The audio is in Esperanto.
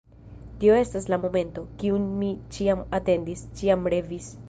Tio estas la momento, kiun mi ĉiam atendis, ĉiam revis.